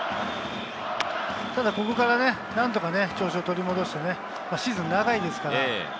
ただここから何とかね、調子を取り戻してね、シーズン長いですから。